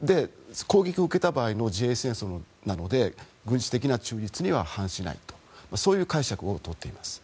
攻撃を受けた場合の自衛戦争なので軍事的な中立には反しないとそういう解釈をとっています。